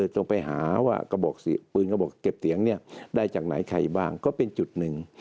ต้องไปหาว่ากระบอกปืนกระบอกเก็บเสียงเนี่ยได้จากไหนใครบ้างก็เป็นจุดหนึ่ง